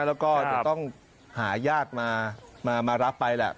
แล้วก็จะต้องหาญาติมารับไปแหละ